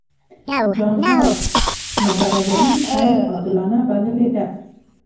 جان رالز نابرابري غیرعادلانه بللې ده.